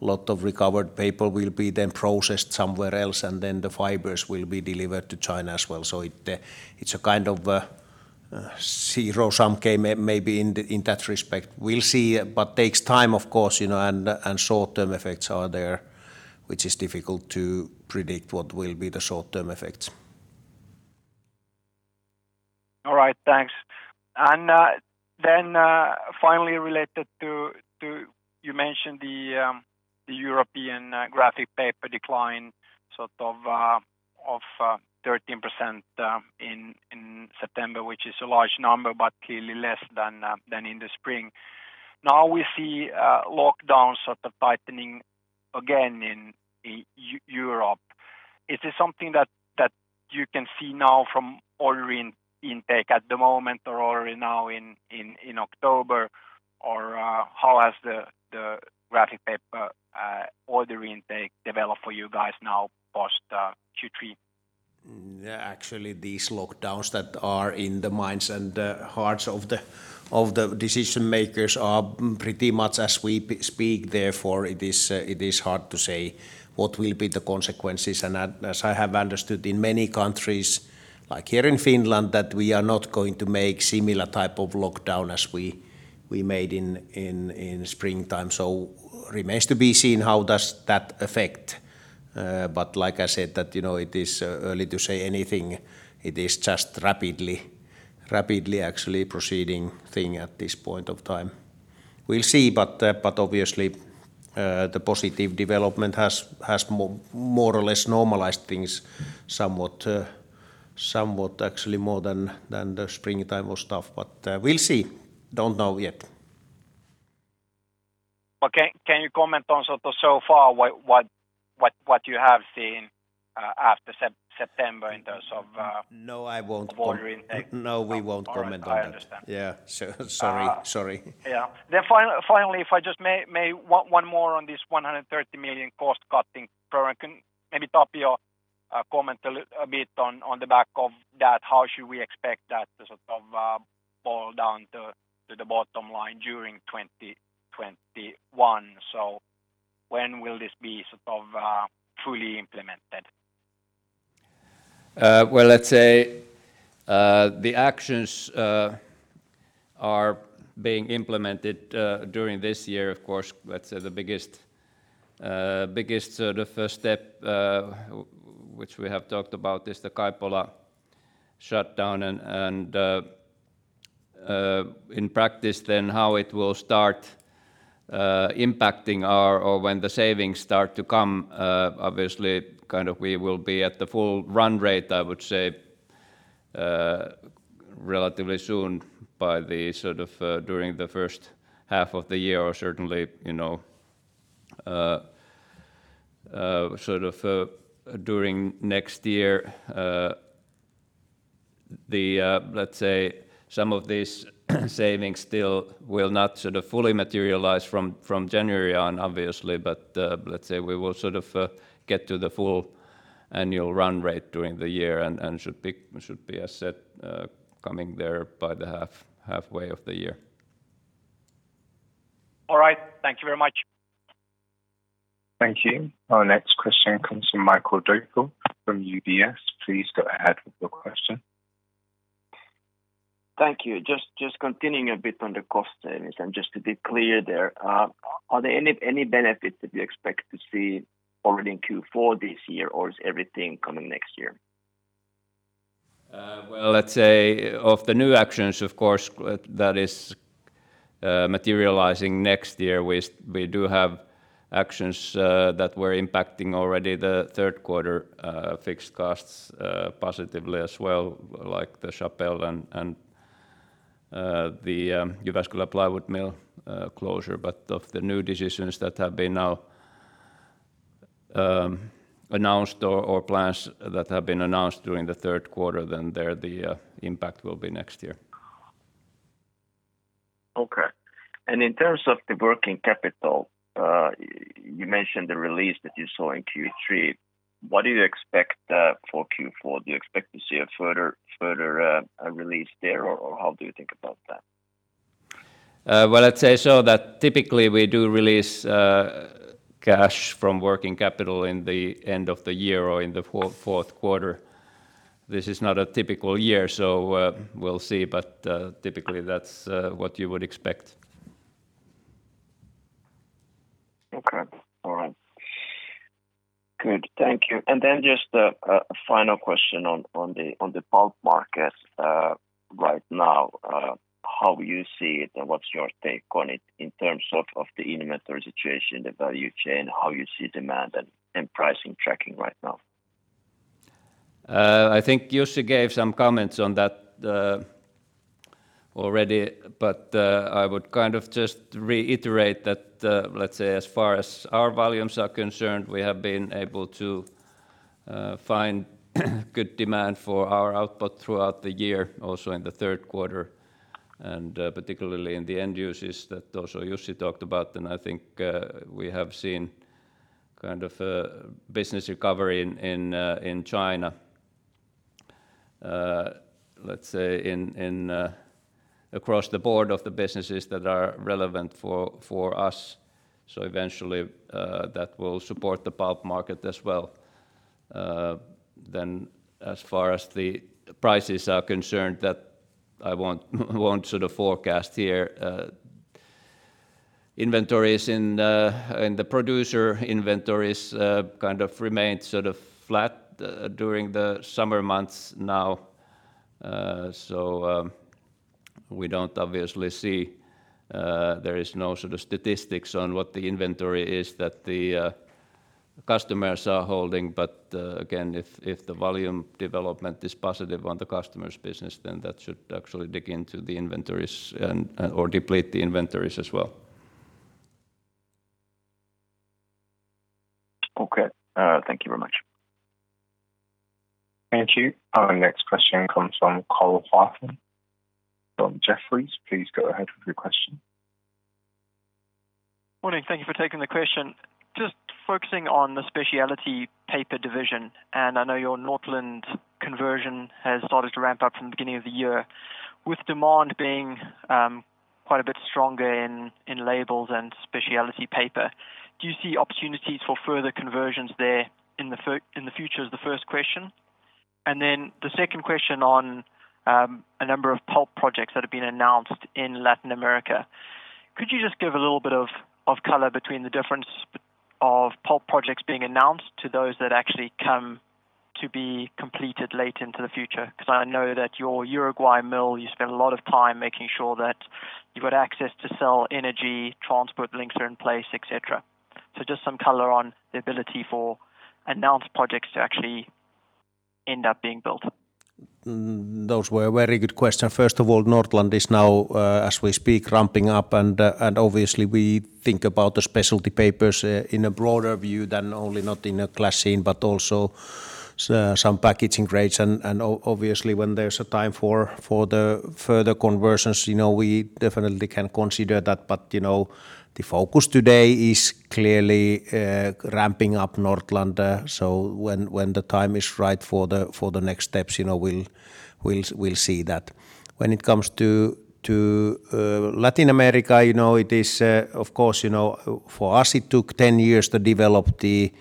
a lot of recovered paper will be then processed somewhere else, and then the fibers will be delivered to China as well. It's a kind of a zero sum game maybe in that respect. We'll see. Takes time, of course, and short-term effects are there, which is difficult to predict what will be the short-term effects. All right. Thanks. Finally, you mentioned the European graphic paper decline of 13% in September, which is a large number, but clearly less than in the spring. We see lockdowns tightening again in Europe. Is this something that you can see now from ordering intake at the moment or ordering now in October? How has the graphic paper ordering intake developed for you guys now post Q3? Actually, these lockdowns that are in the minds and the hearts of the decision-makers are pretty much as we speak, therefore, it is hard to say what will be the consequences. As I have understood in many countries, like here in Finland, that we are not going to make similar type of lockdown as we made in springtime. Remains to be seen how does that affect. Like I said, it is early to say anything. It is just rapidly proceeding thing at this point of time. We'll see, but obviously, the positive development has more or less normalized things somewhat more than the springtime was tough. We'll see. Don't know yet. Okay. Can you comment on so far what you have seen after September? No, I won't. in terms of ordering intake? No, we won't comment on that. All right. I understand. Yeah. Sorry. Yeah. Finally, if I just may, one more on this 130 million cost-cutting program. Can maybe Tapio comment a bit on the back of that? How should we expect that to fall down to the bottom line during 2021? When will this be fully implemented? Well, let's say the actions are being implemented during this year. Let's say the biggest first step, which we have talked about, is the Kaipola shutdown. In practice then, how it will start impacting our when the savings start to come, obviously, we will be at the full run rate, I would say, relatively soon during the first half of the year or certainly during next year. Let's say some of these savings still will not fully materialize from January on, obviously, let's say we will get to the full annual run rate during the year and should be set coming there by the halfway of the year. All right. Thank you very much. Thank you. Our next question comes from Mikael Doepel from UBS. Please go ahead with your question. Thank you. Just continuing a bit on the cost savings, and just to be clear there, are there any benefits that you expect to see already in Q4 this year or is everything coming next year? Well, let's say of the new actions, of course, that is materializing next year. We do have actions that were impacting already the third quarter fixed costs positively as well, like the Chapelle and the Jyväskylä plywood mill closure. Of the new decisions that have been now announced or plans that have been announced during the third quarter, there the impact will be next year. Okay. In terms of the working capital, you mentioned the release that you saw in Q3. What do you expect for Q4? Do you expect to see a further release there, or how do you think about that? Well, I'd say so, that typically we do release cash from working capital in the end of the year or in the fourth quarter. This is not a typical year, so we'll see. Typically, that's what you would expect. Okay. All right. Good. Thank you. Then just a final question on the pulp market right now. How you see it and what's your take on it in terms of the inventory situation, the value chain, how you see demand and pricing tracking right now? I think Jussi gave some comments on that already, but I would kind of just reiterate that, let's say, as far as our volumes are concerned, we have been able to find good demand for our output throughout the year, also in the third quarter, and particularly in the end uses that also Jussi talked about. I think we have seen a business recovery in China, let's say across the board of the businesses that are relevant for us. Eventually, that will support the pulp market as well. As far as the prices are concerned that I won't sort of forecast here. Producer inventories kind of remained sort of flat during the summer months now. There is no sort of statistics on what the inventory is that the customers are holding. Again, if the volume development is positive on the customer's business, then that should actually dig into the inventories or deplete the inventories as well. Okay. Thank you very much. Thank you. Our next question comes from Cole Hathorn from Jefferies. Please go ahead with your question. Morning. Thank you for taking the question. Just focusing on the specialty paper division, and I know your Nordland conversion has started to ramp up from the beginning of the year. With demand being quite a bit stronger in labels and specialty paper, do you see opportunities for further conversions there in the future as the first question? The second question on a number of pulp projects that have been announced in Latin America. Could you just give a little bit of color between the difference of pulp projects being announced to those that actually come to be completed late into the future? Because I know that your Uruguay mill, you spent a lot of time making sure that you've got access to sell energy, transport links are in place, et cetera. Just some color on the ability for announced projects to actually end up being built. Those were very good questions. First of all, Nordland is now, as we speak, ramping up. Obviously, we think about the Specialty Papers in a broader view than only [Raflatac], but also some packaging grades. Obviously, when there's a time for the further conversions, we definitely can consider that. The focus today is clearly ramping up Nordland. When the time is right for the next steps, we'll see that. When it comes to Latin America, of course, for us it took 10 years to develop the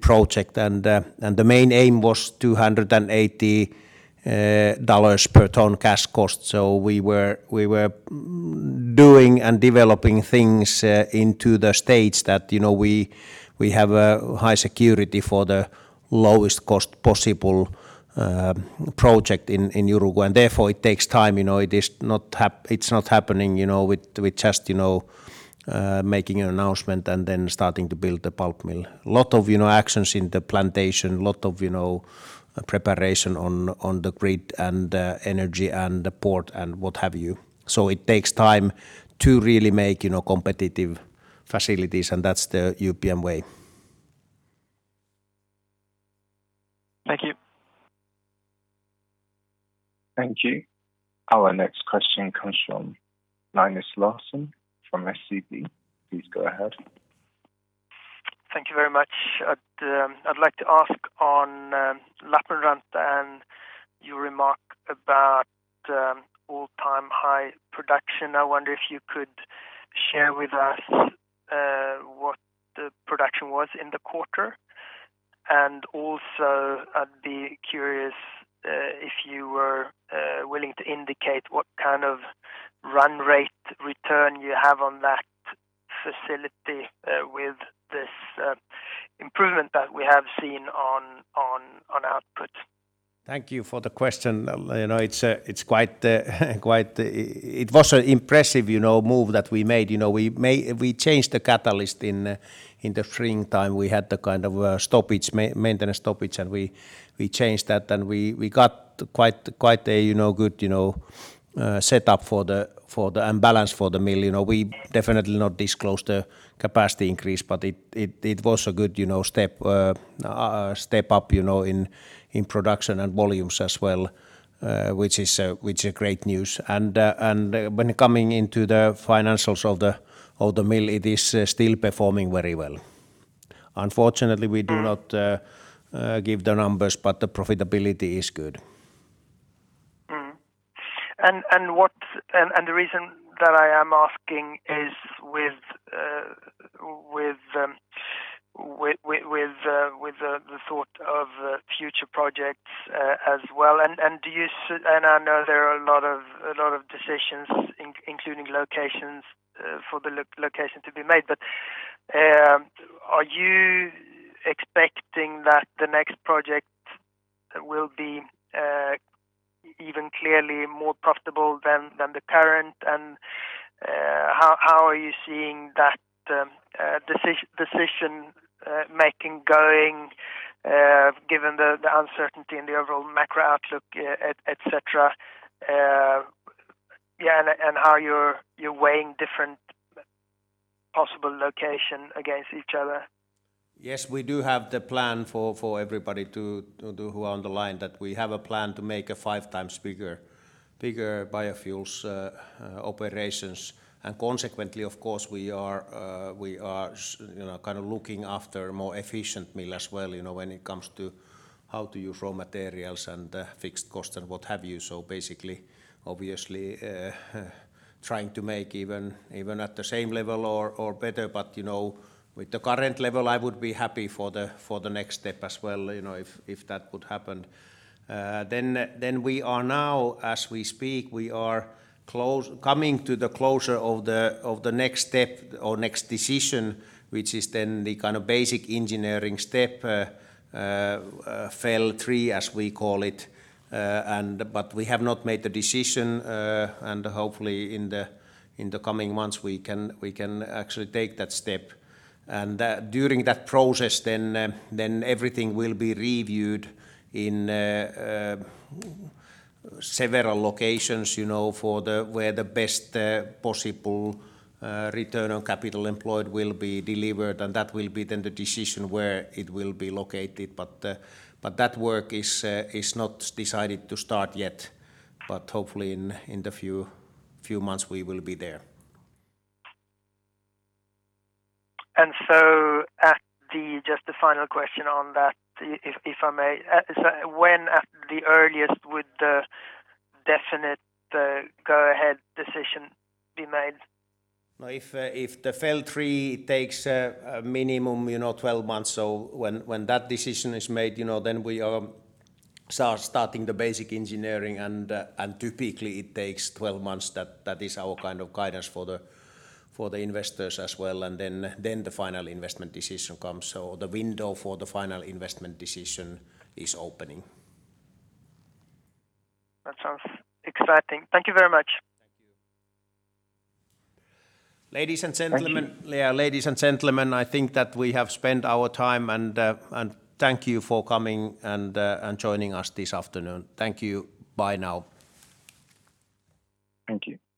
project. The main aim was $280 per ton cash cost. We were doing and developing things into the states that we have a high security for the lowest cost possible project in Uruguay. Therefore, it takes time. It's not happening with just making an announcement and then starting to build the pulp mill. A lot of actions in the plantation, a lot of preparation on the grid and the energy and the port and what have you. It takes time to really make competitive facilities, and that's the UPM way. Thank you. Thank you. Our next question comes from Linus Larsson from SEB. Please go ahead. Thank you very much. I'd like to ask on Lappeenranta and your remark about all-time high production. I wonder if you could share with us what the production was in the quarter. Also, I'd be curious if you were willing to indicate what kind of run rate return you have on that facility with this improvement that we have seen on output. Thank you for the question. It was impressive move that we made. We changed the catalyst in the springtime. We had the maintenance stoppage, and we changed that, and we got quite a good setup and balance for the mill. We definitely not disclose the capacity increase, but it was a good step up in production and volumes as well, which is great news. When coming into the financials of the mill, it is still performing very well. Unfortunately, we do not give the numbers, but the profitability is good. The reason that I am asking is with the thought of future projects as well. I know there are a lot of decisions, including locations for the location to be made, but are you expecting that the next project will be even clearly more profitable than the current? How are you seeing that decision making going given the uncertainty in the overall macro outlook, et cetera? Yeah, how you're weighing different possible location against each other. We do have the plan for everybody who are on the line, that we have a plan to make a five times bigger biofuels operations. Consequently, of course, we are looking after a more efficient mill as well when it comes to how to use raw materials and fixed cost and what have you. Basically, obviously, trying to make even at the same level or better. With the current level, I would be happy for the next step as well if that would happen. We are now, as we speak, we are coming to the closure of the next step or next decision, which is then the basic engineering step, FEL3 as we call it. We have not made the decision, and hopefully in the coming months, we can actually take that step. During that process, then everything will be reviewed in several locations where the best possible return on capital employed will be delivered, and that will be then the decision where it will be located. That work is not decided to start yet, but hopefully in the few months we will be there. Just a final question on that, if I may. When at the earliest would the definite go-ahead decision be made? If the FEL3 takes a minimum 12 months, so when that decision is made, then we are starting the basic engineering, and typically it takes 12 months. That is our kind of guidance for the investors as well. Then the final investment decision comes, so the window for the final investment decision is opening. That sounds exciting. Thank you very much. Thank you. Ladies and gentlemen, I think that we have spent our time, and thank you for coming and joining us this afternoon. Thank you. Bye now. Thank you.